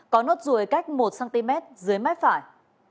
có nốt ruồi cách một cm dưới mái phải